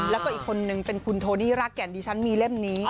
แล้วก็อีกคนนึงเป็นคุณโทนี่รากแก่นดิฉันมีเล่มนี้